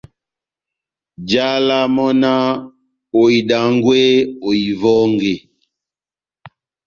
Njálá mɔ́ náh :« Ohidangwe, ohiwɔnge !»